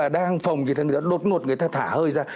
đang phồng đột ngột người ta thả hơi ra